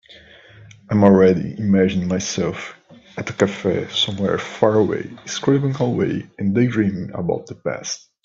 I am already imagining myself at a cafe somewhere far away, scribbling away and daydreaming about the past.